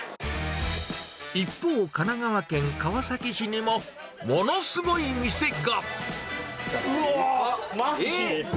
一方、神奈川県川崎市にも、ものすごい店が。うわー！